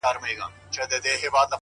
مورې د دې شاعر کتاب چي په لاسونو کي دی;